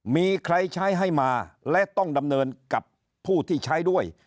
มีใครใช้ให้มาและต้องดำเนินกับผู้ที่ใช้ด้วย